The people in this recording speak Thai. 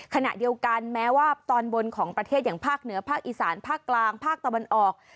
ขณะเดียวกันแม้ว่าตอนบนของประเทศอย่างภาคเหนือภาคอีสานภาคกลางภาคตะวันออก